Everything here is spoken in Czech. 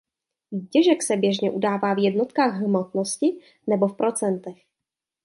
Výtěžek se běžně udává v jednotkách hmotnosti nebo v procentech.